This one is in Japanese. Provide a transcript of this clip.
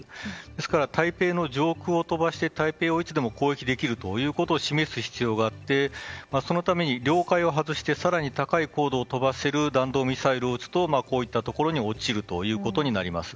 ですから台北上空を飛ばして台北をいつでも攻撃できることを示す必要があってそのために領海を外して更に高い高度を飛ばせる弾道ミサイルを撃つとこういったところに落ちるということになります。